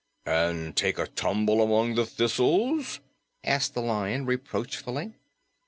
"And take a tumble among the thistles?" asked the Lion reproachfully.